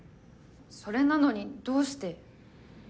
それなのにどうして？